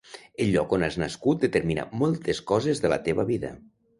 El lloc on has nascut determina moltes coses de la teva vida.